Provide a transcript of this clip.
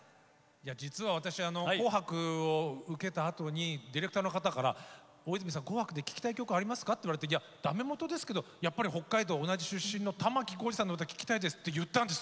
実は私「紅白」を受けたあとにディレクターの方から「大泉さん『紅白』で聴きたい曲ありますか？」って言われてだめもとですけどやっぱり北海道同じ出身の玉置浩二さんの歌聴きたいですって言ったんです。